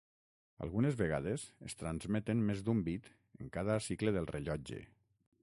Algunes vegades es transmeten més d'un bit en cada cicle del rellotge.